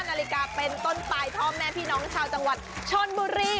นาฬิกาเป็นต้นไปพ่อแม่พี่น้องชาวจังหวัดชนบุรี